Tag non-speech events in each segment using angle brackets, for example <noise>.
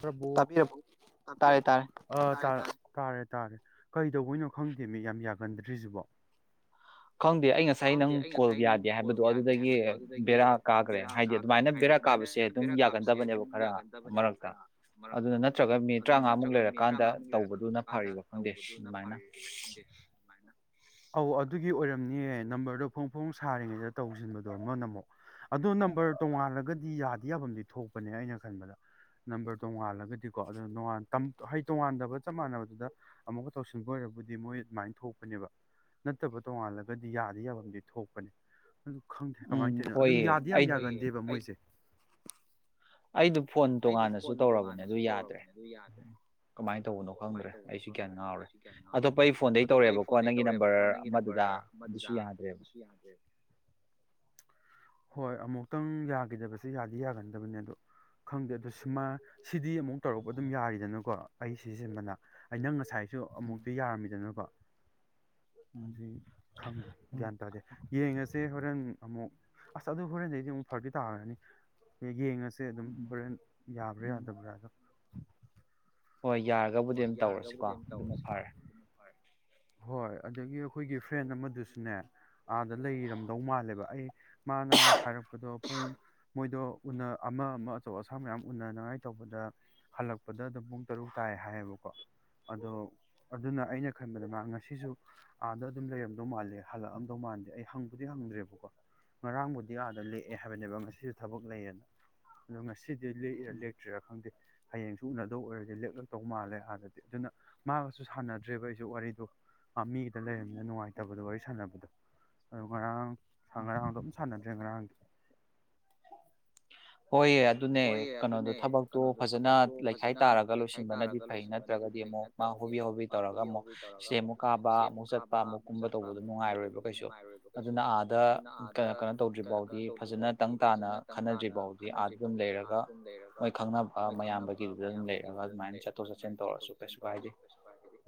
ꯄꯕꯨ ꯑ ꯇ ꯇꯥꯔꯦ ꯇꯥꯔꯦ ꯀꯩꯗꯧꯕꯅꯣ ꯈꯪꯗꯦ ꯃꯤ ꯌꯥꯝ ꯌꯥꯒꯟꯗ꯭ꯔꯤꯁꯤꯕꯣ ꯈꯪꯗꯦ ꯑꯩ ꯉꯁꯥꯏ ꯅꯪ ꯀꯣꯜ ꯌꯥꯗꯦ ꯍꯥꯏꯕꯗꯣ ꯑꯗꯨꯗꯒꯤ ꯕꯦꯔꯥ ꯀꯥꯈ꯭ꯔꯦ ꯍꯥꯏꯗꯤ ꯑꯗꯨꯃꯥꯏꯅ ꯕꯦꯔꯥ ꯀꯥꯕꯁꯦ ꯑꯗꯨꯝ ꯌꯥꯒꯟꯗꯕꯅꯦꯕ ꯈꯔ ꯑꯗꯨꯅ ꯅꯠꯇ꯭ꯔꯒ ꯃꯤꯅꯤꯠ ꯇꯔꯥꯃꯉꯥꯃꯨꯛ ꯂꯩꯔꯀꯥꯟꯗ ꯇꯧꯕꯗꯨꯅ ꯐꯔꯤꯕ ꯈꯪꯗꯦ ꯑꯗꯨꯃꯥꯏꯅ ꯑꯧ ꯑꯗꯨꯒꯤ ꯑꯣꯏꯔꯝꯅꯦꯌꯦ ꯅꯝꯕꯔꯗꯣ ꯐꯣꯡ ꯐꯣꯡ ꯁꯥꯔꯤꯉꯩꯗ ꯇꯧꯁꯤꯟꯕꯗꯣ ꯑꯃ ꯅ ꯑꯃꯨꯛ ꯑꯗ ꯅꯝꯕꯔ ꯇꯣꯡꯉꯥꯜꯂꯒꯗꯤ ꯌꯥꯗꯤ ꯌꯥꯐꯝꯗꯤ ꯊꯣꯛꯄꯅꯦ ꯑꯩꯅ ꯈꯟꯕꯗ ꯅꯝꯕꯔ ꯇꯣꯡꯉꯥꯜꯂꯒꯗꯤꯀꯣ ꯑꯗꯨꯉ ꯍꯩ ꯇꯣꯉꯥꯟꯗꯕ ꯆꯞ ꯃꯥꯟꯅꯕꯗꯨꯗ ꯑꯃꯨꯛꯀ ꯇꯧꯁꯤꯟꯕ ꯑꯣꯏꯔꯕꯨꯗꯤ ꯃꯣꯏ ꯑꯗꯨꯃꯥꯏꯅ ꯊꯣꯛꯄꯅꯦꯕ ꯅꯠꯇꯕ ꯇꯣꯡꯉꯥꯜꯂꯒꯗꯤ ꯌꯥꯗ ꯌꯥꯐꯝꯕꯨ ꯊꯣꯛꯄꯅꯦ ꯑꯗꯨ ꯈꯪꯗꯦ ꯀꯃꯥꯏꯅ ꯇꯧꯔꯤꯅꯣ ꯑꯗꯨꯝ ꯌꯥꯗꯦ ꯌꯥꯝ ꯌꯥꯒꯟꯗꯦꯕ ꯃꯣꯏꯁꯦ <unintelligible> ꯑꯩꯗꯨ ꯐꯣꯟ ꯇꯣꯉꯥꯟꯅꯁꯨ ꯇꯣꯉꯥꯟꯅꯁꯨ ꯇꯧꯔꯕꯅꯦ ꯑꯗꯨ ꯌꯥꯗ꯭ꯔꯦ ꯀꯃꯥꯏꯅ ꯇꯧꯕꯅꯣ ꯈꯪꯗ꯭ꯔꯦ ꯑꯩꯁꯨ ꯀꯌꯥ ꯉꯥꯎꯔꯦ ꯑꯇꯣꯞꯄ ꯑꯩ ꯐꯣꯟꯗꯩ ꯇꯧꯔꯛꯑꯦꯕꯀꯣ ꯅꯪꯒꯤ ꯅꯝꯕꯔ ꯑꯃꯗꯨꯗ ꯑꯗꯨꯁꯨ ꯌꯥꯗ꯭ꯔꯦ ꯍꯣꯏ ꯑꯃꯨꯛꯇꯪ ꯌꯥꯈꯤꯗꯕꯁꯦ ꯌꯥꯗꯤ ꯌꯥꯒꯟꯗꯕꯅꯤ ꯑꯗꯣ ꯈꯪꯗꯦ ꯑꯗꯨ ꯁꯨꯃ ꯁꯤꯗꯤ ꯑꯃꯨꯛ ꯇꯧꯔꯛꯄ ꯑꯗꯨꯝ ꯌꯥꯔꯤꯗꯅꯨꯀꯣ ꯑꯩ ꯁꯤ ꯁꯤꯟꯕꯅ ꯑ ꯅꯪ ꯉꯁꯥꯏꯁꯨ ꯑꯃꯨꯛꯇ ꯌꯥꯔꯝꯃꯤꯗꯅꯕ ꯑꯗꯨ ꯈꯪꯗꯦ ꯒ꯭ꯌꯥꯟ ꯇꯥꯗꯦ ꯌꯦꯡꯉꯁꯦ ꯍꯣꯔꯦꯟ ꯑꯃꯨꯛ ꯑꯁ ꯑꯗꯨ ꯍꯣꯔꯦꯟꯗꯩꯗꯤ ꯑꯃꯨꯛ ꯐꯔꯤ ꯇꯥꯈ꯭ꯔꯅꯤ ꯌꯦꯡꯉꯁꯤ ꯁꯦ ꯑꯗꯨꯝ ꯍꯣꯔꯦꯟ ꯌꯥꯕ꯭ꯔꯥ ꯌꯥꯗꯕ꯭ꯔꯥꯗꯕꯥ ꯍꯣꯏ ꯌꯥꯔꯒꯕꯨꯗꯤ ꯑꯗꯨꯝ ꯇꯧꯔꯁꯤꯀꯣ ꯑꯗꯨꯃ ꯐꯔꯦ ꯍꯣꯏ ꯑꯗꯨꯗꯒꯤ ꯑꯩꯈꯣꯏꯒꯤ ꯐ꯭ꯔꯦꯟ ꯑꯃꯗꯨꯁꯨꯅꯦ ꯑꯥꯗ ꯂꯩꯔꯝꯗꯧ ꯃꯥꯜꯂꯦꯕ ꯑꯩ ꯃꯥꯅ ꯍꯥꯏꯔꯛꯄꯗꯣ ꯃꯣꯏꯗꯣ ꯎꯅ ꯑꯃ ꯑꯃ ꯑꯆꯧ ꯑꯁꯥꯡ ꯃꯌꯥꯝ ꯎꯅꯅꯉꯥꯏ ꯇꯧꯕꯗ ꯍꯜꯂꯛꯄꯗ ꯑꯗꯨꯝ ꯄꯨꯡ ꯇꯔꯨꯛ ꯇꯥꯏ ꯑꯩꯅ ꯈꯟꯕꯗ ꯃꯥ ꯉꯁꯤ ꯑꯥꯝ ꯂꯩꯔꯝꯗꯧ ꯃꯥꯜꯂꯦ ꯍꯜꯂꯑꯝꯗꯧ ꯃꯥꯜꯗꯦ ꯑꯩ ꯍꯪꯕꯨꯗꯤ ꯍꯪꯗ꯭ꯔꯦꯕꯀꯣ ꯉꯔꯥꯡꯕꯨꯗꯤ ꯑꯥ ꯂꯑꯦ ꯍꯥꯏꯕꯅꯦꯕ ꯉ ꯊꯌꯦ ꯁꯤꯗꯤ ꯂꯔꯥ ꯂꯦꯇꯦꯔꯥ ꯈꯪꯗꯦ ꯍꯌꯦꯡꯁꯨ ꯎꯅꯗꯧ ꯑꯣꯏꯔꯁꯦ ꯂꯦꯂꯛ ꯇꯧ ꯃꯥꯜꯂꯦ ꯑꯥꯗꯗꯤ ꯑꯗꯨꯅ ꯃꯥꯒꯁꯨ ꯁꯥꯟꯅꯗ꯭ꯔꯦꯕ ꯑꯩꯁꯨ ꯋꯥꯔꯤꯗꯣ ꯃꯥ ꯃꯤꯗ ꯂꯩꯔꯕꯅꯤꯅ ꯅꯨꯡꯉꯥꯏꯇꯕꯗꯣ ꯋꯥꯔꯤ ꯁꯥꯟꯅꯕꯗꯣ ꯑꯗꯨ ꯉꯔꯥꯡ ꯉꯔꯥꯡꯗꯣ ꯑꯗꯨꯝ ꯁꯥꯟꯅꯗ꯭ꯔꯦ ꯉꯔꯥꯡꯗꯤ ꯍꯣꯏꯌꯦ ꯑꯗꯨꯅꯦ ꯀꯩꯅꯣꯗꯣ ꯊꯕꯛꯇꯣ ꯐꯖꯅ ꯂꯩꯈꯥꯏ ꯇꯥꯔꯒ ꯂꯣꯏꯁꯤꯟꯕꯅꯗꯤ ꯐꯩ ꯅꯠꯇ꯭ꯔꯒꯗꯤ ꯑꯃꯨꯛ ꯃꯥ ꯍꯣꯕꯤ ꯍꯣꯕꯤ ꯇꯧꯔꯒ ꯑꯃꯨꯛ ꯁꯤꯗꯦ ꯑꯃꯨꯛ ꯀꯥꯕ ꯑꯃꯨꯛ ꯆꯠꯄ ꯑꯃꯨꯛ ꯀꯨꯝꯕ ꯇꯧꯕꯗꯣ ꯅꯨꯡꯉꯥꯏꯔꯣꯏꯕ ꯀꯩꯁꯨ ꯑꯗꯨꯅ ꯑꯥꯗ ꯀ ꯀꯩꯅꯣ ꯇꯧꯗ꯭ꯔꯤꯐꯥꯎꯗꯤ ꯐꯖꯅ ꯇꯪ ꯇꯥꯅ ꯈꯟꯅꯗ꯭ꯔꯤꯐꯥꯎꯗꯤ ꯍꯥꯏꯗꯤ ꯑꯥꯔꯠꯇ ꯑꯗꯨꯝ ꯂꯩꯔꯒ ꯃꯣꯏ ꯈꯪꯅꯕ ꯃꯌꯥꯝꯗꯒꯤꯗꯨꯗ ꯑꯗꯨꯝ ꯂꯩꯔꯒ ꯑꯗꯨꯃꯥꯏꯅ ꯆꯠꯊꯣꯛ ꯆꯠꯁꯤꯟ ꯇꯧꯔꯁꯨ ꯀꯩꯁꯨ ꯀꯥꯏ ꯍꯥꯏꯗꯤ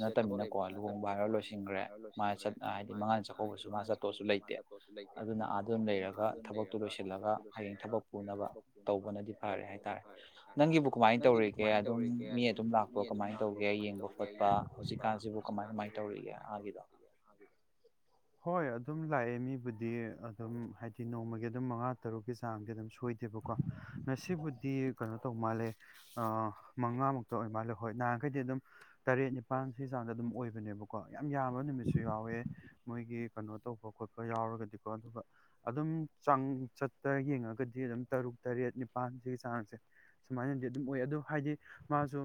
ꯁꯤꯗ ꯊꯕꯛ ꯂꯩꯕꯁꯨ ꯅꯠꯇꯕꯅꯤꯅꯀꯣ ꯂꯨꯍꯣꯡꯕ ꯍꯥꯏꯔ ꯂꯣꯏꯁꯤꯟꯈ꯭ꯔꯦ ꯃꯥ ꯍꯥꯏꯗꯤ ꯃꯉꯥꯟꯜ ꯆꯥꯛꯀꯧꯕꯁꯨ ꯃꯥ ꯆꯠꯠꯇꯣꯛꯑꯁꯨ ꯂꯩꯇꯦ ꯑꯗꯨꯅ ꯑꯥꯔꯠ ꯑꯗꯨꯝ ꯂꯩꯔꯒ ꯊꯕꯛꯇꯨꯗ ꯄꯂꯕ ꯍꯌꯦꯡ ꯊꯕꯛ ꯄꯨꯅꯕ ꯇꯧꯕꯅꯗꯤ ꯐꯔꯦ ꯍꯥꯏꯇꯥꯔꯦ ꯅꯪꯒꯤꯕꯨ ꯀꯃꯥꯏꯅ ꯇꯧꯔꯤꯒꯦ ꯑꯗꯨꯝ ꯃꯤ ꯑꯗꯨꯝ ꯂꯥꯛꯄ ꯀꯃꯥꯏꯅ ꯇꯧꯒꯦ ꯌꯦꯡꯕ ꯈꯣꯠꯄ ꯍꯧꯖꯤꯛꯀꯥꯟꯁꯤꯕꯨ ꯀꯃꯥꯏ ꯇꯧ ꯑꯗꯨꯝ ꯂꯥꯛꯑꯦ ꯃꯤꯕꯨꯗꯤ ꯑꯗꯨꯝ ꯍꯥꯏꯗꯤ ꯅꯣꯡꯃꯒꯤ ꯑꯗꯨꯝ ꯃꯉꯥ ꯇꯔꯨꯛꯀꯤ ꯆꯥꯡꯗꯤ ꯑꯗꯨꯝ ꯁ ꯁꯣꯏꯗꯦꯕꯀꯣ ꯉꯁꯤꯕꯨꯗꯤ ꯀꯩꯅꯣ ꯇꯧ ꯃꯥꯜꯂꯦ ꯃꯉꯥꯃꯨꯛꯇ ꯑꯣꯏ ꯃꯥꯜꯂꯦ ꯍꯣꯏ ꯅꯍꯥꯟꯈꯩꯗꯤ ꯑꯗꯨꯝ ꯇꯔꯦꯠ ꯅꯤꯄꯥꯥꯟ ꯁꯤ ꯆꯥꯡꯗ ꯑꯗꯨꯝ ꯑꯣꯏꯕꯅꯦꯕꯀꯣ ꯌꯥꯝ ꯌꯥꯝꯕ ꯅꯨꯃꯤꯠꯁꯨ ꯌꯥꯎꯋꯦ ꯃꯣꯏꯒꯤ ꯀꯩꯅꯣ ꯇꯧꯕ ꯈꯣꯠꯄ ꯌꯥꯎꯔꯒꯗꯤꯀꯣ ꯑꯗꯨꯒ ꯑꯗꯨꯝ ꯆꯥꯡ ꯆꯠꯇ ꯌꯦꯡꯉꯒꯗꯤ ꯁꯤ ꯑꯗꯨꯝ ꯇꯔꯨꯛ ꯇꯔꯦꯠ ꯅꯤꯄꯥꯟ ꯁꯤꯒꯤ ꯆꯥꯡꯁꯦ ꯁꯨꯃꯥꯏꯅꯗꯤ ꯑꯗꯨꯝ ꯑꯣꯏ ꯑꯗꯨꯗꯣ ꯍꯥꯏꯗꯤ ꯃꯥꯁꯨ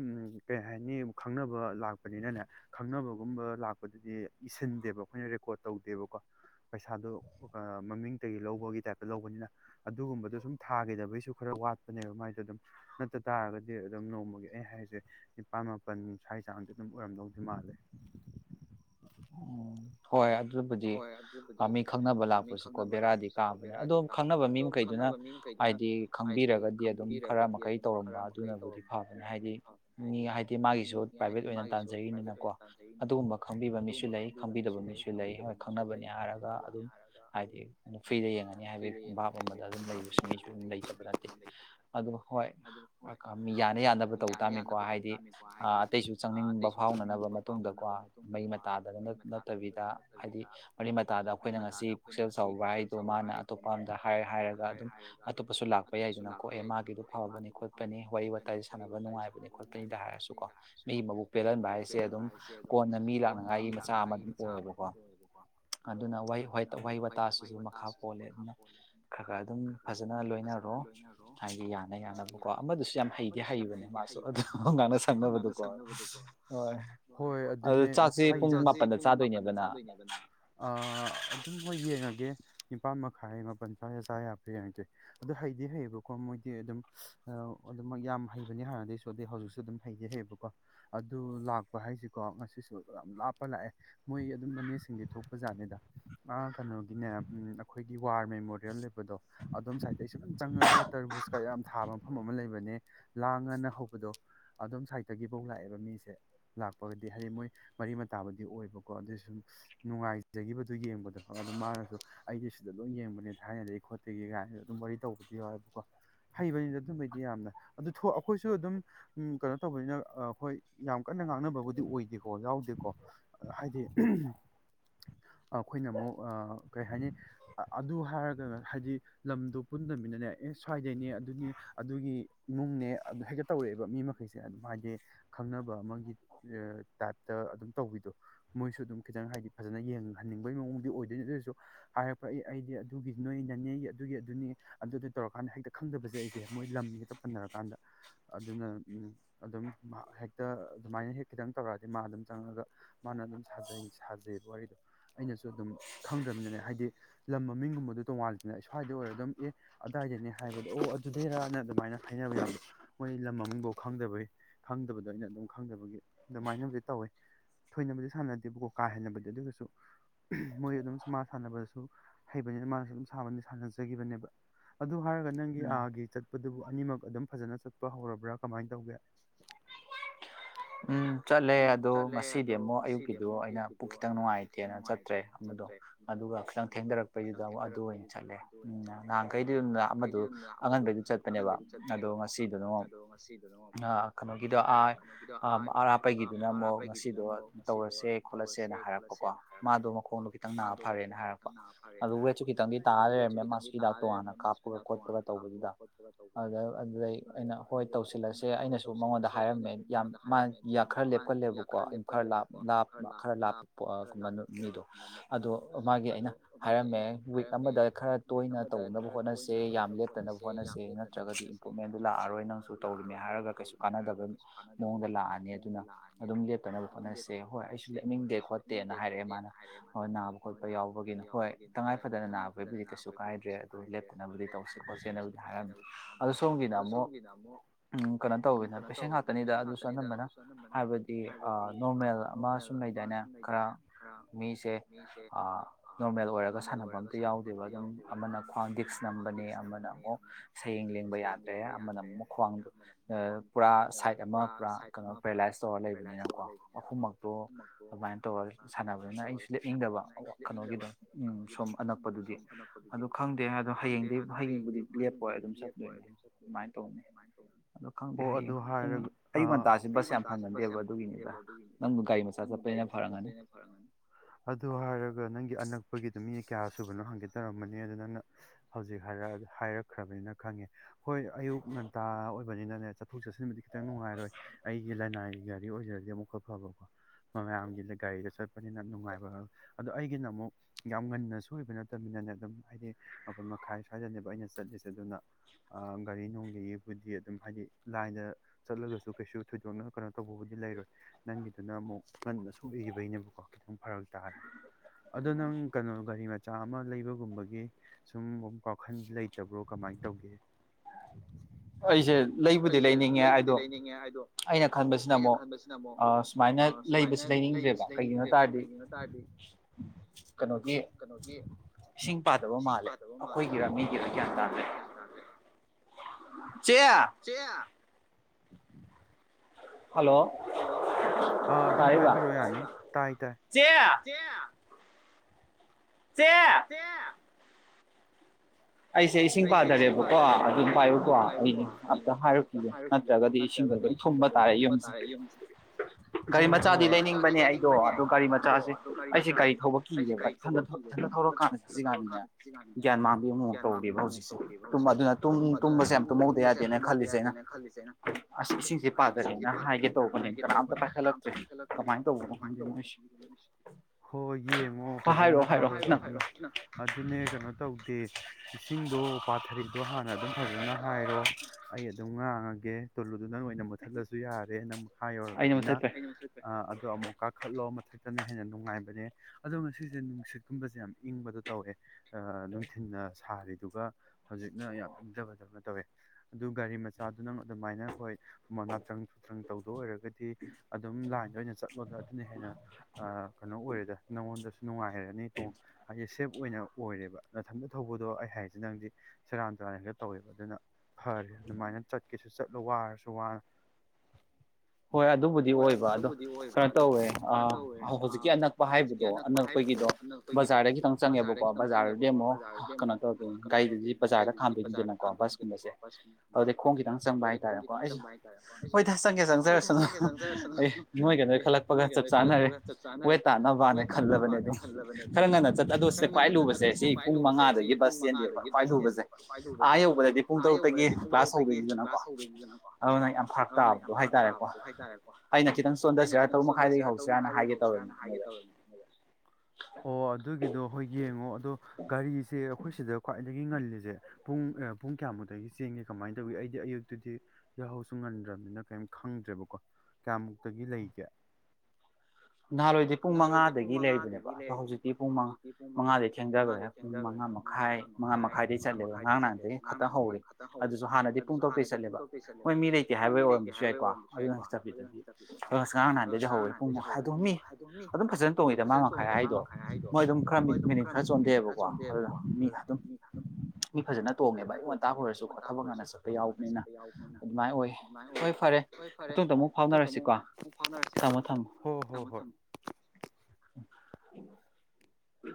ꯀꯩ ꯍꯥꯏꯅꯤ ꯈꯪꯅꯕ ꯂꯥꯛꯄꯅꯤꯅꯅꯦ ꯈꯪꯅꯕꯒꯨꯝꯕ ꯂꯥꯛꯄꯗꯨꯗꯤ ꯏꯁꯤꯟꯗꯦꯕ ꯑꯩꯈꯣꯏꯅ ꯔꯦꯀꯣꯔꯠ ꯇꯧꯗꯦꯕꯀꯣ ꯄꯩꯁꯥꯗꯣ ꯃꯃꯤꯡꯇꯒꯤ ꯂꯧꯕꯒꯤ ꯇꯥꯏꯞꯇ ꯂꯧꯕꯅꯤꯅ ꯑꯗꯨꯒꯨꯝꯕꯗꯨ ꯁꯨꯝ ꯊꯥꯈꯤꯗꯕꯩꯁꯨ ꯈꯔ ꯋꯥꯠꯄꯅꯦꯕ ꯃꯥꯏꯗꯣ ꯑꯗꯨꯝ ꯅꯠꯇ ꯇꯥꯔꯒꯗꯤ ꯑꯗꯨꯝ ꯅꯣꯡꯃꯒꯤ ꯑꯩ ꯍꯥꯏꯁꯦ ꯅꯤꯄꯥꯜ ꯃꯥꯄꯜ ꯁ꯭ꯋꯥꯏ ꯆꯥꯡꯗꯤ ꯑꯗꯨꯝ ꯑꯣꯏꯔꯝꯗꯧꯗꯤ ꯃꯥꯜꯂꯦ ꯎꯝ ꯍꯣꯏ ꯑꯗꯨ ꯑꯗꯨꯕꯨꯗꯤ ꯃꯤ ꯈꯪꯅꯕ ꯂꯥꯛꯄꯁꯨꯀꯣ ꯕꯦꯔꯥꯗꯤ ꯀꯥꯕꯅꯦ ꯑꯗꯣ ꯈꯪꯅꯕ ꯃꯤ ꯃꯈꯩꯗꯨꯅ ꯍꯥꯏꯗꯤ ꯈꯪꯕꯤꯔꯒꯗꯤ ꯑꯗꯨꯝ ꯈꯔ ꯃꯈꯩ ꯇꯧꯔꯝꯕ ꯑꯗꯨꯅꯕꯨꯗꯤ ꯐꯕꯅꯦ ꯍꯥꯏꯗꯤ ꯃꯤ ꯍꯥꯏꯗꯤ ꯃꯥꯒꯤꯁꯨ ꯄ꯭ꯔꯥꯏꯚꯦꯠ ꯑꯣꯏꯅ ꯇꯥꯟꯖꯔꯤꯅꯤꯅꯀꯣ ꯑꯗꯨꯒꯨꯝꯕ ꯈꯪꯕꯤꯕ ꯃꯤꯁꯨ ꯂꯩ ꯈꯪꯕꯤꯗꯕ ꯃꯤꯁꯨ ꯂꯩ ꯈꯪꯅꯕꯅꯦ ꯍꯥꯏꯔꯒ ꯑꯗꯨꯝ ꯍꯥꯏꯗꯤ ꯐ꯭ꯔꯤꯗ ꯌꯦꯡꯉꯅꯤ ꯍꯥꯏꯕꯒꯤ ꯚꯥꯞ ꯑꯃꯗ ꯑꯗꯨꯝ ꯂꯩꯕꯁꯨ ꯃꯤꯁꯨ ꯑꯗꯨꯝ ꯂꯩꯇꯕ ꯅꯠꯇꯦ ꯑꯗꯨ ꯍꯣꯏ ꯃꯤ ꯌꯥꯅ ꯌꯥꯅꯕ ꯇꯧ ꯇꯥꯃꯤꯀꯣ ꯍꯥꯏꯗꯤ ꯑꯇꯩꯁꯨ ꯆꯪꯅꯤꯡꯕ ꯐꯥꯎꯅꯅꯕ ꯃꯇꯨꯡꯗꯀꯣ ꯇꯥꯗꯗ ꯅꯠꯇꯕꯤꯗ ꯍꯥꯏꯗꯤ ꯃꯔꯤ ꯃꯇꯥꯗ ꯑꯩꯈꯣꯏꯅ ꯉꯁꯤ ꯄꯨꯛꯆꯦꯜ ꯆꯥꯎꯕ ꯍꯥꯏꯗꯣ ꯃꯥꯅ ꯑꯇꯣꯞꯄ ꯑꯝꯗ ꯍꯥꯏꯔ ꯍꯥꯏꯔꯒ ꯑꯗꯨꯝ ꯑꯇꯣꯞꯄꯁꯨ ꯂꯥꯛꯄ ꯌꯥꯏꯗꯅ ꯈꯣꯑꯦ ꯃꯥꯒꯤꯗꯨꯣ ꯐꯕꯅꯤ ꯈꯣꯠꯄꯅꯤ ꯋꯥꯔꯤ ꯋꯥꯇꯥꯏ ꯁꯥꯟꯅꯕ ꯅꯨꯡꯉꯥꯏꯕꯅꯤ ꯈꯣꯠꯄꯅꯤꯗ ꯍꯥꯏꯔꯁꯨ ꯀꯣ ꯃꯤ ꯃꯕꯨꯛ ꯄꯦꯜꯍꯟꯕ ꯍꯥꯏꯁꯦ ꯑꯗꯨꯝ ꯀꯣꯟꯅ ꯃꯤ ꯂꯥꯛꯅ ꯉꯥꯏꯒꯤ ꯃꯆꯥ ꯑꯃ ꯑꯗꯨꯝ ꯑꯣꯏꯌꯦꯕꯀꯣ ꯑꯗꯨꯅꯩ ꯋꯥꯍꯩ ꯋꯥꯇꯥꯁꯤꯁꯨ ꯃꯈꯥ ꯄꯣꯜꯂꯦ ꯑꯗꯨꯅ ꯈꯔ ꯈꯔ ꯑꯗꯨꯝ ꯐꯖꯅ ꯂꯣꯏꯅꯔꯣ ꯍꯥꯏꯗꯤ ꯌꯥꯅ ꯌꯥꯅꯕꯀꯣ ꯑꯃꯗꯨꯁꯨ ꯌꯥꯝ ꯍꯩꯗꯤ ꯍꯩꯕꯅꯦ ꯃꯥꯁꯨ ꯑꯗꯨ ꯉꯥꯡꯅ ꯁꯛꯅꯕꯗꯀꯣ ꯍꯣꯏ ꯑꯗꯨ ꯆꯥꯛꯁꯤꯦ ꯀꯖꯁꯤ ꯄꯨꯡ ꯃꯥꯄꯟꯗ ꯆꯥꯗꯣꯏꯅꯦꯕꯅ ꯑꯗꯨꯝ ꯃꯣꯏ ꯌꯦꯡꯉꯒꯦ ꯅꯤꯄꯥꯥꯟ ꯃꯈꯥꯏ ꯃꯥꯄꯜ ꯆ ꯆꯥ ꯌꯥꯛꯄ ꯌꯦꯡꯉꯛꯇꯦ ꯑꯗꯨ ꯍꯩꯗꯤ ꯍꯩꯌꯦꯕꯀꯣ ꯃꯣꯏꯗꯤ ꯑꯗꯨꯝ ꯑꯗꯨꯃꯛ ꯌꯥꯝ ꯍꯩꯕꯅꯤ ꯍꯥꯟꯅꯗꯒꯤꯩꯁꯨ ꯑꯗꯩ ꯍꯧꯖꯤꯛꯁꯨ ꯑꯗꯨꯝ ꯍꯩꯗꯤ ꯍꯩꯌꯦꯕꯀꯣ ꯑꯗꯨ ꯂꯥꯛꯄ ꯍꯥꯏꯁꯤꯀꯣ ꯉꯁꯤꯁꯨ ꯌꯥꯝ ꯂꯥꯞꯄ ꯂꯥꯛꯑꯦ ꯃꯣꯏ ꯑꯗꯨꯝ ꯃꯅꯦꯁꯤꯡ ꯄꯨꯊꯣꯛꯄ ꯖꯥꯠꯅꯤꯗ ꯀꯩꯅꯣꯒꯤꯅꯦ ꯑꯩꯈꯣꯏꯒꯤ ꯋꯥꯔ ꯃꯦꯃꯣꯔꯤꯌꯦꯜ ꯂꯩꯕꯗꯣ ꯑꯗꯣꯝ ꯁ꯭ꯥꯏꯠꯇꯒꯤ ꯁꯨꯝ ꯆꯪꯉꯒ ꯇꯔꯕꯨꯁꯀ ꯌꯥꯝ ꯊꯥꯕ ꯃꯐꯝ ꯑꯃ ꯂꯩꯕꯅꯦ ꯂꯥꯡꯉꯅ ꯍꯧꯕꯗꯣ ꯑꯗꯣꯝ ꯁꯥꯏꯠꯇꯒꯤꯐꯧ ꯂꯥꯛꯑꯦꯕ ꯃꯤꯁꯦ ꯂꯥꯛꯄꯒꯗꯤ ꯍꯥꯏꯗꯤ ꯃꯣꯏ ꯃꯔꯤ ꯃꯇꯥꯕꯨꯗꯤ ꯑꯣꯏꯕꯀꯣ ꯑꯗꯨꯏ ꯁꯨ ꯅꯨꯡꯉꯥꯏꯖꯒꯤꯈꯤꯕꯗꯨ ꯌꯦꯡꯕꯗꯣ ꯑꯗꯨ ꯃꯥꯅꯁꯨ ꯑꯩꯗꯤ ꯁꯤꯗ ꯂꯣꯏ ꯌꯦꯡꯕꯅꯦ ꯊꯥꯏꯅꯗꯒꯤ ꯈꯣꯠꯇꯒꯤ ꯀꯥꯏꯅ ꯑꯗꯨꯝ ꯋꯥꯔꯤ ꯇꯧꯕꯗꯤ ꯌꯥꯎꯋꯦꯕꯀꯣ ꯍꯩꯕꯅꯤꯅ ꯑꯗꯨꯝꯝꯕꯩꯗꯤ ꯌꯥꯝꯅ ꯑꯗꯨ ꯑꯩꯈꯣꯏꯁꯨ ꯑꯗꯨꯝ ꯀꯩꯅꯣ ꯇꯧꯕꯅꯤꯅ ꯑꯩꯈꯣꯏ ꯌꯥꯝ ꯀꯟꯅ ꯉꯥꯡꯅꯕꯕꯨꯗꯤ ꯑꯣꯏꯗꯦꯀꯣ ꯌꯥꯎꯗꯦꯀꯣ ꯍꯥꯏꯗꯤ ꯑꯩꯈꯣꯏꯅ ꯑꯃꯨꯛ ꯀꯩ ꯍꯥꯏꯅꯤ ꯑꯗꯨ ꯍꯥꯏꯔꯒ ꯍꯥꯏꯗꯤ ꯂꯝꯗꯣ ꯄꯨꯟꯗꯃꯤꯅꯅꯦ ꯑꯦ ꯁ꯭ꯋꯥꯏꯗꯩꯅꯦ ꯑꯗꯨꯅꯤ ꯑꯗꯨꯒꯤ ꯏꯃꯨꯡꯅꯦ ꯑꯗꯨ ꯍꯦꯛꯇ ꯇꯧꯔꯛꯑꯦꯕ ꯃꯤ ꯃꯈꯩꯁꯦ ꯑꯗꯨꯝ ꯍꯥꯏꯗꯤ ꯈꯪꯅꯕ ꯑꯃꯒꯤ ꯑ ꯇ ꯑꯗꯨꯝ <inaudible> ꯇꯧꯕꯤꯗꯣ ꯃꯣꯏꯁꯨ ꯑꯗꯨꯝ ꯈꯤꯇꯪ ꯍꯥꯏꯗꯤ ꯐꯖꯅ ꯌꯦꯡꯍꯟꯅꯤꯡꯕꯒꯤ ꯃꯑꯣꯡꯗꯤ ꯑꯣꯏꯗꯣꯏꯅꯤ ꯑꯗꯨ ꯑꯣꯏꯔꯁꯨ ꯍꯥꯏꯔꯛꯄ ꯑꯩ ꯑꯩꯗꯤ ꯑꯗꯨꯒꯤ ꯅꯣꯏ ꯅꯅꯦ ꯑꯗꯨꯒꯤ ꯑꯗꯨꯅꯤ ꯑꯗꯨꯗ ꯇꯧꯔꯀꯥꯟꯗ ꯍꯦꯛꯇ ꯈꯪꯗꯕꯁꯦ ꯑꯩꯁꯦ ꯃꯣꯏ ꯂꯝꯒꯦꯛꯇ ꯄꯟꯅꯔꯀꯥꯟꯗ ꯑꯗꯨꯅ ꯑꯗꯨꯝ ꯍꯦꯛꯇ ꯑꯗꯨꯃꯥꯏꯅ ꯍꯦꯛ ꯈꯤꯇꯪ ꯇꯧꯔꯛꯑꯗꯤ ꯃꯥ ꯑꯗꯨꯝ ꯆꯪꯉꯒ ꯃꯥꯅ ꯑꯗꯨꯝ ꯁꯥꯖꯩ ꯁꯥꯖꯩ ꯋꯥꯔꯤꯗꯣ ꯑꯩꯅꯁꯨ ꯑꯗꯨꯝ ꯈꯪꯗ꯭ꯔꯕꯅꯤꯅꯅꯦ ꯍꯥꯏꯗꯤ ꯂꯝ ꯃꯃꯤꯡꯒꯨꯝꯕꯗ ꯇꯣꯡꯉꯥꯜꯂꯤꯅꯤꯅ ꯁ꯭ꯋꯥꯏꯗ ꯑꯣꯏꯔꯣ ꯑꯗꯨꯝ ꯑꯦ ꯑꯗꯨꯗꯥꯋꯥꯏꯗꯅꯦ ꯍꯥꯏꯕꯗ ꯑꯣ ꯑꯗꯨꯗꯩꯔꯅ ꯑꯗꯨꯃꯥꯏꯅ ꯍꯥꯏꯅꯕ ꯌꯥꯎꯕꯗꯣ ꯃꯣꯏ ꯂꯝ ꯃꯃꯤꯡꯐꯥꯎ ꯈꯪꯗꯕꯒꯤ ꯈꯪꯗꯕꯗꯣ ꯑꯩꯅ ꯑꯗꯨꯝ ꯈꯪꯗꯕꯒꯤ ꯑꯗꯨꯃꯥꯏꯅꯕꯨꯗꯤ ꯇꯧꯋꯦ ꯊꯣꯏꯅꯕꯗꯤ ꯁꯥꯟꯅꯗꯦꯕꯀꯣ ꯀꯥ ꯍꯦꯟꯅꯕꯨꯗꯤ ꯑꯗꯨꯒꯁꯨ ꯃꯣꯏ ꯑꯗꯨꯝ ꯃꯥ ꯁꯥꯟꯅꯕꯗꯁꯨ ꯍꯩꯕꯅꯤꯅ ꯃꯥ ꯑꯗꯨꯝꯕ ꯁꯥꯟꯅꯖꯒꯤꯕꯅꯦꯕ ꯑꯗꯨ ꯍꯥꯏꯔꯒ ꯅꯪꯒꯤ ꯑꯥꯒꯤ ꯆꯠꯄꯗꯨꯕꯨ ꯑꯅꯤꯃꯛ ꯑꯗꯨꯝ ꯐꯖꯅ ꯆꯠ ꯆꯠꯄ ꯍꯧꯔꯕ꯭ꯔꯥ ꯀꯃꯥꯏꯅ ꯇꯧꯒꯦ ꯎꯝ ꯆꯠꯂꯦ ꯑꯗꯣ ꯉꯁꯤꯗꯤ ꯑꯃꯨꯛ ꯑꯌꯨꯛꯀꯤꯗꯣ ꯑꯩꯅ ꯄꯨꯛ ꯈꯤꯇꯪ ꯈꯤꯇꯪ ꯅꯨꯡꯉꯥꯏꯇꯦꯅ ꯆꯠꯇ꯭ꯔꯦꯗꯣ ꯑꯗꯨꯒ ꯈꯤꯇꯪ ꯊꯦꯡꯊꯔꯛꯄꯒꯤꯗ ꯑꯗꯨ ꯑꯣꯏꯅ ꯆꯠꯂꯦ ꯎ ꯅꯍꯥꯟꯈꯩꯗꯨꯅ ꯑꯃꯗ ꯑꯉꯟꯕꯒꯤ ꯆꯠꯄꯅꯦꯕ ꯑꯗꯣ ꯉꯁꯤꯗꯨꯅꯛꯩꯅ ꯑꯔꯥꯞꯄꯩꯒꯤꯗꯨꯅ ꯑꯃꯨꯛ ꯉꯁꯤꯗꯣ ꯇꯧꯔꯁꯦ ꯈꯣꯠꯂꯁꯦꯅ ꯍꯥꯏꯔꯛꯄ ꯅ ꯍꯥꯏ ꯀꯣ ꯃꯥꯗꯣ ꯃꯈꯣꯡꯗꯣ ꯈꯤꯇꯪ ꯅꯥ ꯐꯔꯦꯅ ꯍꯥꯏꯔꯀꯣ ꯑꯗꯨꯒ ꯋꯦꯁꯨ ꯈꯤꯇꯪꯗꯤ ꯇꯥꯔ ꯂꯩꯔꯝꯃꯦ ꯃꯥꯁꯨ ꯍꯤꯗꯥꯛ ꯇꯣꯉꯥꯟꯅ ꯀꯥꯞꯄꯒ ꯈꯣꯠꯄ ꯇꯧꯕꯗꯨꯗ ꯑꯗꯨꯗ ꯑꯗꯨꯗ ꯑꯩꯅ ꯍꯣꯏ ꯇꯧꯁꯤꯜꯂꯁꯦ ꯑꯩꯅꯁꯨ ꯃꯉꯣꯟꯗ ꯃꯥ ꯈꯔ ꯂꯦꯞꯀꯜꯂꯦꯕꯀꯣ ꯑꯗꯨ ꯈꯔꯥꯞ ꯈꯔ ꯂꯥꯞꯄ ꯃꯤꯗꯣ ꯑꯗꯣ ꯃꯥꯒꯤ ꯑꯩꯅ ꯍꯥꯏꯔꯝꯃꯦ ꯋꯤꯛ ꯑꯃꯗ ꯈꯔ ꯇꯣꯏꯅ ꯇꯧꯅꯕ ꯍꯣꯠꯅꯁꯦ ꯌꯥꯝ ꯂꯦꯞꯇꯅꯕ ꯍꯣꯠꯅꯁꯦ ꯅꯠꯇ꯭ꯔꯒꯗꯤ ꯏꯝꯄ꯭ꯔꯨꯚꯃꯦꯟꯗꯨ ꯂꯥꯛꯑꯔꯣꯏ ꯅꯪꯁꯨ ꯇꯧꯔꯤꯃꯦ ꯍꯥꯏꯔꯒ ꯀꯩꯁꯨ ꯀꯥꯟꯅꯗꯕ ꯃꯑꯣꯡꯗ ꯂꯥꯛꯑꯅꯤ ꯑꯗꯨꯅ ꯑꯗꯨꯝ ꯂꯦꯞꯇꯅꯕ ꯍꯣꯠꯅꯁꯦ ꯍꯣꯏ ꯑꯩꯁꯨ ꯂꯦꯞꯅꯤꯡꯗꯦ ꯈꯣꯠ ꯠꯇꯦꯅ ꯍꯥꯏꯔꯛꯑꯦ ꯃꯥꯅ ꯅꯥꯕ ꯈꯣꯠꯄ ꯌꯥꯎꯕꯒꯤꯅ ꯍꯣꯏ ꯇꯉꯥꯏ ꯐꯗꯅ ꯅꯥꯕꯒꯤꯕꯨꯗꯤ ꯀꯩꯁꯨ ꯀꯥꯏꯗ꯭ꯔꯦ ꯑꯗꯨ ꯂꯦꯞꯇꯨꯅꯕꯗꯤ ꯇꯧꯁꯤ ꯈꯣꯠꯁꯦꯅꯕꯨꯗꯤ ꯍꯥꯏꯔꯝꯃꯦ ꯑꯗꯣ ꯁꯣꯝꯒꯤꯅ ꯑꯃꯨꯛ ꯎ ꯀꯩꯅꯣ ꯇꯧꯕꯋꯅ ꯄꯦꯁꯦꯟ ꯉꯥꯛꯇꯅꯤꯗ ꯁ ꯑꯅꯝꯕꯅ ꯍꯥꯏꯕꯗꯤ ꯅꯣꯔꯃꯦꯜ ꯑꯃ ꯁꯨꯝ ꯂꯩꯗꯥꯅꯦ ꯈꯔ ꯃꯤꯁꯦ ꯅꯣꯔꯃꯦꯜ ꯑꯣꯏꯔꯒ ꯁꯥꯟꯅꯕ ꯑꯝꯇ ꯌꯥꯎꯗꯦꯕ ꯑꯗꯨꯝ ꯑꯃꯅ ꯈ꯭ꯋꯥꯡ ꯗꯤꯛꯁ ꯅꯝꯕꯅꯦ ꯑꯃꯅ ꯑꯃꯨꯛ ꯁꯌꯦꯡ ꯂꯦꯡꯕ ꯌꯥꯗ꯭ꯔꯦ ꯑꯃꯅ ꯑꯃꯨꯛ ꯈ꯭ꯋꯥꯡꯗꯨ ꯄꯨꯔꯥ ꯁꯥꯏꯠ ꯑꯃ ꯄꯨꯔꯥ ꯀꯩꯅꯣ ꯄꯦꯔꯦꯂꯥꯏꯁ ꯇꯧꯔ ꯂꯩꯕꯅꯤꯅꯀꯣ ꯑꯍꯨꯝꯃꯛꯇꯣ ꯑꯗꯨꯃꯥꯏꯅ ꯇꯧꯔꯒ ꯁꯥꯟꯅꯕꯅꯤꯅ ꯑꯩꯁꯨ ꯂꯦꯅꯤꯡꯗꯕ ꯀꯩꯅꯣꯒꯤꯗꯣ ꯎ ꯁꯣꯨꯝ ꯑꯅꯛꯄꯗꯨꯗꯤ ꯑꯗꯨ ꯈꯪꯗꯦ ꯑꯗꯣ ꯍꯌꯦꯡꯗꯒꯤ ꯍꯌꯦꯡꯕꯨꯗꯤ ꯂꯦꯞꯄ ꯑꯣꯏ ꯑꯗꯨꯝ ꯆꯠꯗꯣꯏꯅꯦ ꯑꯗꯨꯃꯥꯏꯅ ꯇꯧꯕꯅꯤ ꯑ ꯈꯪꯗꯦ ꯍꯌꯦꯡ ꯄꯨꯡ ꯑꯌꯨꯛ ꯉꯟꯇꯥꯁꯤ ꯕꯁ ꯌꯥꯝ ꯐꯪꯒꯟꯗꯦꯕ ꯑꯗꯨꯒꯤꯅꯤꯗ ꯅꯪꯕꯨ ꯒꯥꯔꯤ ꯃꯆꯥ ꯒꯥ ꯃ ꯑꯗꯨ ꯍꯥꯏꯔꯒ ꯅꯪꯒꯤ ꯑꯅꯛꯄꯒꯤꯗꯨ ꯀꯌꯥ ꯁꯨꯕꯅꯣ ꯍꯪꯒꯦ ꯇꯧꯔꯝꯕꯅꯤ ꯑꯗꯨꯅ ꯍꯧꯖꯤꯛ ꯍꯥꯏ ꯍꯥꯏꯔꯛꯈ꯭ꯔꯕꯅꯤꯅ ꯈꯪꯉꯦ ꯍꯣꯏ ꯑꯌꯨꯛ ꯉꯟꯇꯥ ꯑꯣꯏꯕꯅꯤꯅꯅꯦ ꯆꯠꯊꯣꯛ ꯆꯠꯁꯤꯟꯕꯨꯗꯤꯇꯪ <inaudible> ꯈꯤꯇꯪ ꯅꯨꯡꯉꯥꯏꯔꯣꯏ ꯑꯩꯒꯤ ꯂꯅꯥꯏ ꯒꯥꯔꯤ ꯑꯣꯏꯖꯔꯗꯤ ꯑꯃꯨꯛ ꯈꯣꯠ ꯐꯕꯀꯣ ꯃꯃꯌꯥꯝꯒꯤꯗ ꯒꯥꯔꯤꯗ ꯆꯠꯄꯅꯤꯅ ꯅꯨꯡꯉꯥꯏꯕ ꯑꯗꯣ ꯑꯩꯒꯤꯅ ꯑꯃꯨꯛ ꯌꯥꯝ ꯉꯟꯅꯁꯨꯣꯏꯕ ꯅꯠꯇꯕꯅꯤꯅꯅꯦ ꯑꯗꯨꯝ ꯍꯥꯏꯗꯤ ꯃꯄꯜ ꯃꯈꯥꯏ ꯁ꯭ꯋꯥꯏꯗꯅꯦꯕ ꯑꯩꯅ ꯆꯠꯂꯤꯁꯦ ꯑꯗꯨꯅ ꯒꯥꯔꯤ ꯅꯨꯡꯒꯤꯒꯤꯕꯨꯗꯤ ꯑꯗꯨꯝ ꯍꯥꯏꯗꯤ ꯂꯥꯏꯗ ꯆꯠꯂꯒꯁꯨ ꯀꯩꯁꯨ ꯊꯣꯏꯗꯣꯛꯅ ꯀꯩꯅꯣ ꯇꯧꯕꯕꯨꯗꯤ ꯂꯩꯔꯣꯏ ꯅꯪꯒꯤꯗꯨꯅ ꯑꯃꯨꯛ ꯉꯟꯅ ꯑꯁꯨꯛ ꯏꯈꯤꯕꯒꯤꯅꯦꯕꯀꯣ ꯈꯤꯇꯪ ꯐꯔꯛ ꯇꯥꯔꯗꯣ ꯑꯗꯣ ꯅꯪ ꯀꯩꯅꯣ ꯒꯥꯔꯤ ꯃꯆꯥ ꯑꯃ ꯂꯩꯕꯒꯨꯝꯕꯒꯤ ꯁꯨꯝ ꯀꯥꯎꯈꯟ ꯂꯩꯇꯕ꯭ꯔꯣ ꯀꯃꯥꯏꯅ ꯇꯧꯒꯦ ꯑꯩꯁꯦ ꯂꯩꯕꯨꯗꯤ ꯂꯩꯅꯤꯡꯉꯦ ꯑꯗꯣ ꯑꯩꯅ ꯈꯟꯕꯁꯤꯅ ꯑꯃꯨꯛ ꯁꯨꯃꯥꯏꯅ ꯂꯩꯕꯁꯤ ꯂꯩꯅꯤꯡꯗ꯭ꯔꯦꯕ ꯀꯩꯒꯤꯅꯣ ꯇꯥꯔꯗꯤ ꯀꯩꯅꯣꯒꯤ ꯏꯁꯤꯡ ꯄꯥꯗꯕ ꯃꯥꯜꯂꯦ ꯑꯩꯈꯣꯏꯒꯤꯔ ꯃꯤꯒꯤꯔ ꯒ꯭ꯌꯥꯟ ꯇꯥꯗ꯭ꯔꯦ ꯆꯦ <unintelligible> ꯍꯜꯂꯣ ꯑꯥ ꯑꯗꯨꯝ ꯍꯥꯏꯕꯤꯔꯛꯑꯣ ꯌꯥꯅꯤ ꯇꯥꯏ ꯇꯥꯏ ꯆꯦ ꯆꯦ ꯇ ꯑꯩꯁꯦ ꯏꯁꯤꯡ ꯄꯥꯊꯔꯦꯕꯀꯣ ꯑꯗꯨꯝ ꯄꯥꯏꯌꯨꯀꯣ ꯑꯩꯗꯤ ꯑꯝꯇ ꯍꯥꯏꯔꯛꯈꯤꯒꯦ ꯅꯠꯇ꯭ꯔꯒꯗꯤ ꯏꯁꯤꯡꯗꯣ ꯂꯣꯏ ꯊꯨꯝꯕ ꯇꯥꯔꯦ ꯌꯨꯝꯁꯦ ꯒꯥꯔꯤ ꯃꯆꯥꯗꯤ ꯂꯩꯅꯤꯡꯕꯅꯦ ꯑꯩꯗꯣ ꯑꯗꯨꯣ ꯒꯥꯔꯤ ꯃꯆꯥꯁꯦ ꯑꯩꯁꯦ ꯒꯥꯔꯤ ꯊꯧꯕ ꯀꯤꯔꯦꯕ ꯏꯟꯗ ꯊꯧꯔꯛ ꯀꯥꯟꯗ ꯁꯤꯖꯤ ꯀꯥꯟꯅꯤꯅꯦ ꯒ꯭ꯌꯥꯟ ꯃꯥꯡꯕꯤꯌ ꯑꯃꯨ ꯇꯧꯗꯦ ꯍꯧꯖꯤꯛ ꯑꯗꯨꯅ ꯇꯨꯝꯕꯁꯦ ꯌꯥꯝ ꯇꯨꯝꯍꯧꯗ ꯌꯥꯗꯦꯅ ꯈꯜꯂꯤꯁꯦ ꯑꯩꯅ ꯑꯁꯤꯁꯤꯡꯁꯦ ꯄꯥꯖꯔꯦꯅ ꯍꯥꯏꯒꯦ ꯇꯧꯕꯅꯦ ꯀꯅꯥꯝꯇ ꯄꯥꯏꯈꯠꯂꯒꯦꯃꯥꯏ ꯇꯣ ꯍꯣꯏ ꯌꯦꯡꯉꯣ ꯐꯖꯅ ꯍꯥꯏ ꯑꯗꯨꯅꯦ ꯀꯩꯅꯣ ꯇꯧꯗꯦ ꯏꯁꯤꯡꯗꯣ ꯄꯥꯊꯔꯛ ꯑꯗꯣ ꯍꯥꯟꯅ ꯑꯗꯨꯝ ꯐꯖꯅ ꯍꯥꯏꯔꯣ ꯑꯩ ꯑꯗꯨꯝ ꯉꯥꯡꯉꯒꯦꯨ ꯑꯗꯨ ꯅꯪ ꯑꯣꯏꯅ ꯃꯨꯠꯊꯠꯂꯁꯨ ꯌꯥꯔꯦꯅ ꯃꯈꯥ ꯌꯧꯔꯕꯅꯤꯅ ꯑꯗꯣ ꯑꯃꯨꯛ ꯀꯥꯈꯠꯂꯣ ꯃꯊꯛꯇꯅ ꯍꯦꯟꯅ ꯅꯨꯡꯉꯥꯏꯕꯅꯦ ꯑꯗꯣ ꯉ ꯁꯤꯁꯦ ꯅꯨꯡꯁꯤꯠꯀꯨꯝꯕꯁꯦ ꯌꯥꯝ ꯏꯪꯕꯗꯣ ꯇꯧꯋꯦ ꯅꯨꯡꯊꯤꯟꯅ ꯊꯔꯤꯗꯨꯒ ꯍꯧꯖꯤꯛꯅ ꯌꯥꯝ ꯏꯪꯊꯕꯗꯧꯅ ꯇꯧꯋꯦ ꯑꯗꯨ ꯒꯥꯔꯤ ꯃꯆꯥꯗꯨ ꯅꯪ ꯑꯗꯨꯃꯥꯏꯅ ꯍꯣꯏ ꯅꯥꯇ꯭ꯔꯪ ꯁꯨꯇ꯭ꯔꯪ ꯇꯧꯗ ꯑꯣꯏꯔꯒꯗꯤ ꯑꯗꯨꯝ ꯂꯥꯏꯟꯗ ꯑꯣꯏꯅ ꯆꯠꯂꯣꯗ ꯑꯗꯨꯅ ꯍꯦꯟꯅ ꯀꯩꯅꯣ ꯑꯣꯏꯔꯦꯗ ꯅꯪꯉꯣꯟꯗꯁꯨ ꯅꯨꯡꯉꯥꯏꯔꯅꯤꯣ ꯍꯥꯏꯗꯤ ꯁꯦꯞ ꯑꯣꯏꯅ ꯑꯣꯏꯔꯦꯕ ꯃꯊꯟꯇ ꯊꯧꯕ ꯑꯗꯣ ꯑꯩ ꯍꯥꯏꯁꯦ ꯅꯪꯗꯤ ꯁꯦꯔꯥꯟ ꯇꯨꯔꯥꯟ ꯈꯦꯛꯇ ꯇꯧꯋꯦꯕ ꯑꯗꯨꯅ ꯐꯔꯦ ꯑꯗꯨꯃꯥꯏꯅ ꯆꯠꯀꯦꯁꯨ ꯆꯠꯂꯣ ꯋꯥꯔꯁꯨ ꯋꯥꯅ ꯍꯣꯏ ꯑꯗꯨꯕꯨꯗꯤ ꯑꯣꯏꯕ ꯑꯗꯣ ꯀꯩꯅꯣ ꯇꯧꯋꯦ ꯍꯧꯖꯤꯛꯀꯤ ꯑꯅꯛꯄ ꯍꯥꯏꯕꯗꯣ ꯑꯅꯛꯄꯒꯤꯗꯣ ꯕꯖꯥꯔꯗ ꯈꯤꯇꯪ ꯆꯪꯉꯦꯕꯀꯣ ꯕꯖꯥꯔꯗꯗꯤ ꯑꯃꯨꯛ ꯀꯩꯅꯣ ꯇꯧꯗꯣꯏꯅꯤ ꯒꯥꯔꯤꯗꯨꯗꯤ ꯕꯖꯥꯔꯗ ꯈꯥꯝꯗꯣꯏꯅꯤꯗꯅꯀꯣ ꯕꯁꯀꯨꯝꯕꯁꯦ ꯑꯗꯨꯗꯩ ꯈꯣꯡ ꯈꯤꯇꯪ ꯆꯪꯕ ꯍꯥꯏꯇꯥꯔꯦꯀꯣ ꯑꯩꯁꯨ ꯍꯣꯏꯗ ꯆꯪꯒꯦ ꯆꯪ ꯆꯥꯖꯔꯁꯅꯨ ꯑꯩ ꯏꯣꯏꯒꯅꯣꯏ ꯈꯜꯂꯛꯄꯒ ꯆꯞ ꯆꯥꯅꯔꯦ ꯋꯦꯠ ꯇꯥꯅꯕꯅ ꯈꯜꯂꯕꯅꯦ ꯑꯗꯨꯝ ꯈꯔ ꯉꯟꯅ ꯆꯠ ꯑ ꯁꯤꯗ ꯈ꯭ꯋꯥꯏ ꯂꯨꯕꯁꯦ ꯁꯤ ꯄꯨꯡ ꯃꯉꯥ ꯉꯉꯥꯗꯒꯤ ꯕꯁ ꯁꯇꯦꯟꯗꯦꯕꯣ ꯈ꯭ꯋꯥꯏ ꯂꯨꯕꯁꯦ ꯑꯥ ꯌꯧꯕꯗꯗꯤ ꯄꯨꯡ ꯇꯔꯨꯛꯇꯒꯤ ꯀ꯭ꯂꯥꯁ ꯍꯧꯗꯣꯏꯁꯤꯗꯅꯀꯣ ꯑꯗꯨꯗꯣ ꯅꯪ ꯌꯥꯝ ꯐꯔꯥꯛ ꯇꯥꯕꯗꯣ ꯍꯥꯏꯇꯥꯔꯦ ꯑꯗꯨ ꯍꯥꯏꯇꯥꯔꯦꯀꯣ ꯑꯩꯅ ꯈꯤꯇꯪ ꯁꯣꯟꯗ ꯇ ꯃꯈꯍꯧꯁꯤꯔꯥꯅ ꯍꯥꯏꯒꯦ ꯇꯧꯔꯅꯤ ꯑꯣ ꯑꯗꯨꯒꯤꯗꯣ ꯑꯩꯈꯣꯏꯒꯤ ꯇꯉ <inaudible> ꯒꯥꯔꯤꯁꯤ ꯑꯩꯈꯣꯏ ꯁꯤꯗ ꯈ꯭ꯋꯥꯏꯗꯒꯤ ꯉꯜꯂꯤꯁꯦ ꯄꯨꯡ ꯄꯨꯡ ꯀꯌꯥꯃꯨꯛꯇꯒꯤ ꯆꯦꯡꯒꯦ ꯀꯃꯥꯏꯅ ꯇꯧꯋꯤ ꯑꯩꯗꯤ ꯑꯌꯨꯛꯇꯨꯗꯤ ꯌꯥꯍꯧꯁꯨ ꯉꯟꯗ꯭ꯔꯕꯅꯤꯅ ꯀꯔꯤꯝ ꯈꯪꯗ꯭ꯔꯦꯕꯀꯣ ꯀꯌꯥꯃꯨꯛꯇꯒꯤ ꯂꯩꯒꯦ ꯅꯍꯥꯟꯋꯥꯏꯗꯤ ꯄꯨꯡ ꯃꯉꯥꯗꯒꯤ ꯂꯩꯕꯅꯦꯕ ꯑꯗꯣ ꯍꯧꯖꯤꯛꯇꯤ ꯄꯨꯡ ꯃꯉꯥ ꯃꯉꯥꯗꯒꯤ ꯊꯦꯡꯊꯈ꯭ꯔꯦ ꯄꯨꯡ ꯃꯉꯥ ꯃꯉꯥ ꯃꯈꯥꯏ ꯃꯉꯥ ꯃꯈꯥꯏꯗꯩ ꯆꯠꯂꯦꯕ ꯉꯔꯥꯡ ꯅꯍꯥꯟꯗꯒꯤ ꯈꯛꯇꯪ ꯍꯧꯔꯦ ꯑꯗꯨꯁꯨ ꯍꯥꯟꯅꯗꯤ ꯄꯨꯡ ꯇꯔꯨꯛꯇꯇꯩꯒꯤ ꯆꯠꯂꯦꯕ ꯍꯣꯏ ꯃꯤ ꯂꯩꯇꯦ ꯍꯥꯏꯕꯩ ꯑꯣꯏꯔꯝꯕꯁꯨ ꯌꯥꯏꯀꯣ ꯑꯗꯨꯠꯇꯕꯤꯗꯗꯤ ꯉ ꯉꯔꯥꯡ ꯅꯍꯥꯟꯗꯒꯤꯩ ꯍꯧꯔꯦ ꯄꯨꯡ ꯃꯤ ꯑꯗꯨꯝ ꯐꯖꯅ ꯇꯣꯡꯉꯤꯗ ꯃꯥꯉꯥ ꯃꯈꯥꯏ ꯍꯥꯏꯗꯣ ꯃꯣꯏ ꯑꯗꯨꯝ ꯈꯔ ꯃꯤꯅꯤꯠ ꯈꯔ ꯆꯣꯟꯗꯩꯕꯀꯣ ꯑꯗꯨꯅ ꯑꯗꯨꯝ ꯃꯤ ꯐꯖꯅ ꯇꯣꯡꯉꯦꯕ ꯑꯩꯉꯣꯟ ꯉꯟꯇꯥ ꯑꯣꯏꯔꯁꯨꯀꯣ ꯊꯕꯛ ꯉꯟꯅ ꯆꯠꯄ ꯌꯥꯎꯕꯅꯤꯅ ꯑꯗꯨꯃꯥꯏꯅ ꯑꯣꯏ ꯍꯣꯏ ꯐꯔꯦ ꯃꯇꯨꯡꯣ ꯑꯃꯨꯛ ꯐꯥꯎꯅꯔꯁꯤꯀꯣ ꯊꯝꯃꯣ ꯊꯝꯃꯣ ꯍꯣꯏ ꯍꯣꯏ ꯎ ꯎ